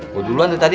gue duluan dari tadi